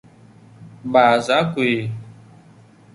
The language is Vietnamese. Bà dã Quỳ